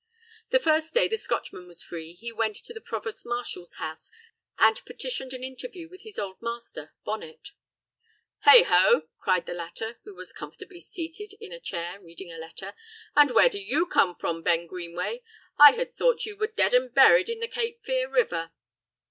The first day the Scotchman was free he went to the provost marshal's house and petitioned an interview with his old master, Bonnet. "Heigho!" cried the latter, who was comfortably seated in a chair reading a letter. "And where do you come from, Ben Greenway? I had thought you were dead and buried in the Cape Fear River."